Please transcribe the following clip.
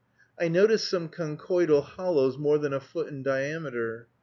I noticed some conchoidal hollows more than a foot in diameter.